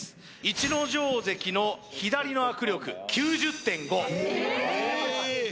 逸ノ城関の左の握力９０．５えーっ！？